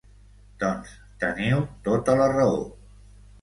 Doncs teniu tota la raó.